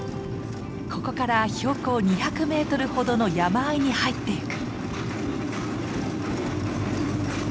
ここから標高２００メートルほどの山あいに入っていく。